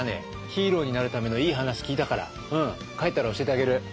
ヒーローになるためのいい話聞いたから帰ったら教えてあげる。